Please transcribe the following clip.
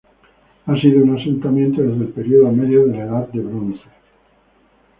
Ha sido un asentamiento desde el período Medio de la Edad del Bronce.